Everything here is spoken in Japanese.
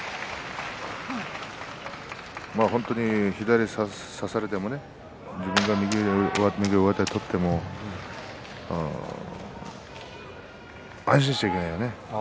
本当に左を差されても自分が右の上手を取っても安心しちゃいけないね。